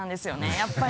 やっぱり。